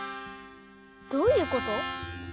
どういうこと？